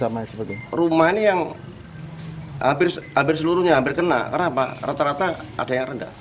agar tidak menggenangi permukiman warga